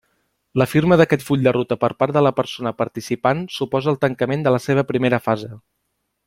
La firma d'aquest full de ruta per part de la persona participant suposa el tancament de la seva primera fase.